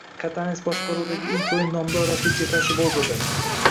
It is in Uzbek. Katanes boshqaruvidagi ilk o‘yin nomdor raqibga qarshi bo‘lib o‘tadi